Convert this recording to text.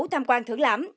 tham quan thưởng lãm